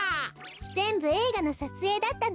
ぜんぶえいがのさつえいだったのよ。